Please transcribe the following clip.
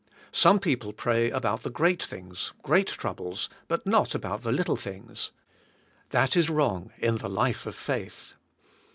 Some people pray about the great things, great troubles, but not about the little things. That is wrong in the life of faith.